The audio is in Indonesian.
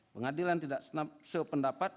pengadilan tidak sependapat